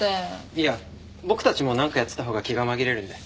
いや僕たちもなんかやってたほうが気が紛れるんで。